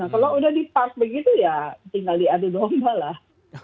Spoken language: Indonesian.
kalau sudah dipart begitu ya tinggal diadu domba lah